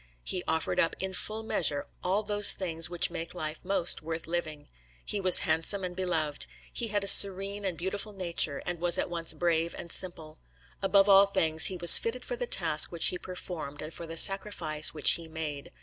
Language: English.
He offered up, in full measure, all those things which make life most worth living. He was handsome and beloved. He had a serene and beautiful nature, and was at once brave and simple. Above all things, he was fitted for the task which he performed and for the sacrifice which he made.